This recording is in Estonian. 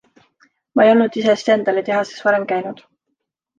Ma ei olnud ise Stendali tehases varem käinud.